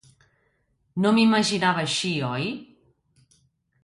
No m'imaginava així, oi?